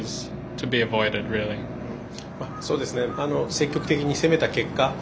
積極的に攻めた結果